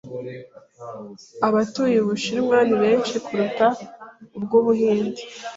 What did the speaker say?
Abatuye Ubushinwa ni benshi kuruta ubw'Ubuhinde.